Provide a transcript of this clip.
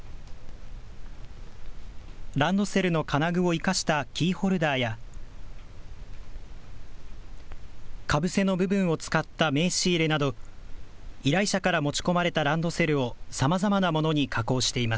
ランドセルの金具を生かしたキーホルダーや、かぶせの部分を使った名刺入れなど、依頼者から持ち込まれたランドセルをさまざまなものに加工してい